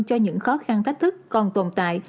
cho những khó khăn thách thức còn tồn tại